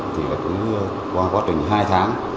thì qua quá trình hai tháng